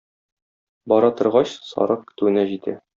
Бара торгач, сарык көтүенә җитә.